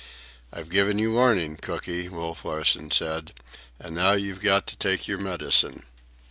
"I've given you warning, Cooky," Wolf Larsen said, "and now you've got to take your medicine."